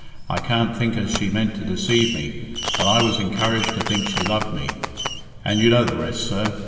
I can't think as she meant to deceive me. But I was encouraged to think she loved me, and—you know the rest, sir.